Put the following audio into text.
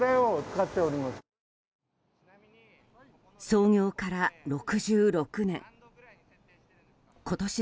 創業から６６年。